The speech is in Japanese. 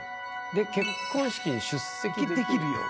で「結婚式に出席できるよ」。